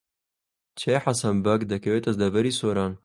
چیای حەسەن بەگ دەکەوێتە دەڤەری سۆران.